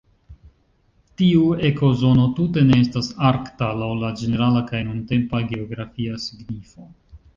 Tiu ekozono tute ne estas "arkta" laŭ la ĝenerala kaj nuntempa geografia signifo.